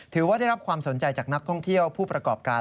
ถือว่าได้รับความสนใจจากนักท่องเที่ยวผู้ประกอบการ